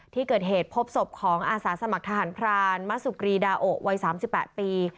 ที่เกิดเหตุพบศพของอาสาสมัครทหารพรานมะสุกรีดาโอวัย๓๘ปี